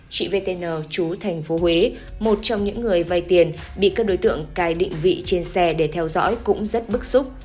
chị vtn chú thành phố huế một trong những người vay tiền bị các đối tượng cài định vị trên xe để theo dõi cũng rất bức xúc